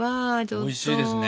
おいしいですね。